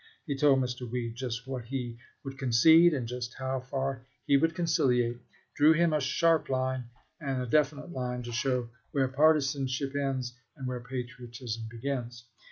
He told Mr. Weed just what he would concede and just how far he would conciliate — drew him a sharp and definite line to show where partisanship ends and where patriotism begins.